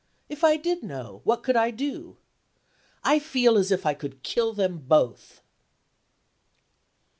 if I did know, what could I do? I feel as if I could kill them both!